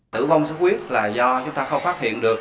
tử vong xuất huyết là do chúng ta không phát hiện được